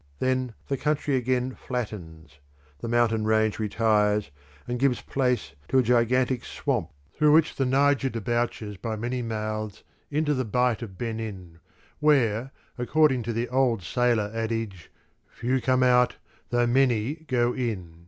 Then the country again flattens; the mountain range retires and gives place to a gigantic swamp, through which the Niger debouches by many mouths into the Bight of Benin, where, according to the old sailor adage, "few come out, though many go in."